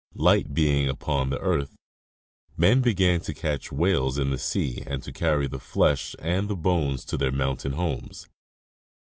Light being upon the earth, men began to catch whales in the sea and to carry the flesh and bones to their mountain homes.